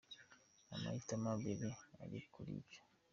Nta mahitamo abiri ari kuri ibyo.